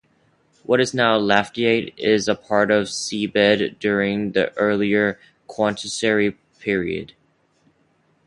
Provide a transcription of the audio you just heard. What is now Lafayette was part of the seabed during the earlier Quaternary Period.